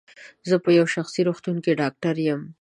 زه په یو شخصي روغتون کې ډاکټر یم.